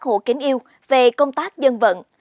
bác sĩ đã bác hộ kính yêu về công tác dân vận